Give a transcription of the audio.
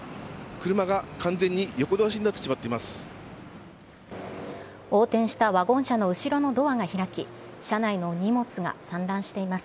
車が完全に横倒しになってしまっています。